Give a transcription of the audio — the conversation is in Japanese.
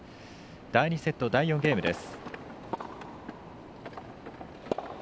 第２セット、第４ゲームです。